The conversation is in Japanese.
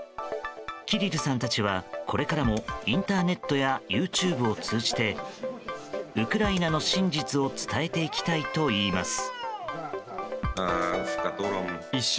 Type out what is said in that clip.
キリルさんたちは、これからもインターネットやＹｏｕＴｕｂｅを通じてウクライナの真実を伝えていきたいといいます。